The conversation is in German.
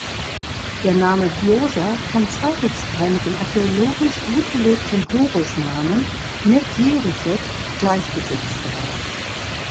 Der Name „Djoser“ kann zweifelsfrei mit dem archäologisch gut belegten Horusnamen „Netjeri-chet“ gleichgesetzt werden.